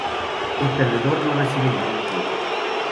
El perdedor no recibe ningún punto.